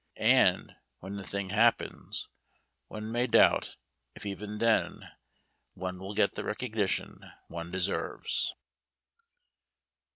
And, when the thing happens, one may doubt if even then one will get the recognition one deserves.